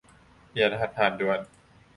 เปลี่ยนรหัสผ่านด่วน